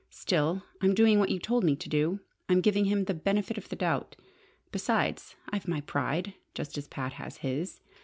"Still, I'm doing what you told me to do: I'm giving him 'the benefit of the doubt.' Besides I've my pride, just as Pat has his.